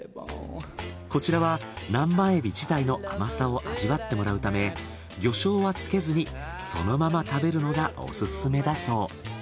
こちらは南蛮エビ自体の甘さを味わってもらうため魚醤はつけずにそのまま食べるのがオススメだそう。